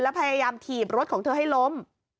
แล้วพยายามถีบรถของเธอให้ล้ม